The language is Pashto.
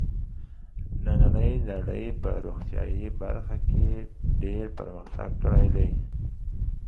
نننۍ نړۍ په روغتیايي برخه کې ډېر پرمختګ کړی دی.